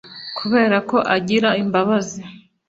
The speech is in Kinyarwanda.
kubera ko agira imbabazi